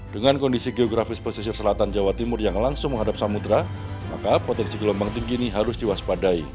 dengan kondisi geografis pesisir selatan jawa timur yang langsung menghadap samudera maka potensi gelombang tinggi ini harus diwaspadai